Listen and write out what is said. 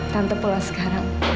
tante pulang sekarang